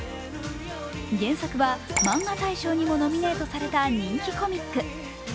原作は、マンガ大賞にもノミネートされた人気コミック。